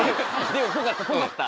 でもっぽかったっぽかった。